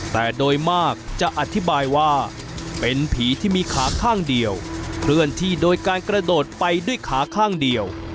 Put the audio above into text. แต่โดยมากจะอธิบายว่าเป็นผีที่มีขาข้างเดียวเคลื่อนที่โดยการกระโดดไปด้วยขาข้างเดียว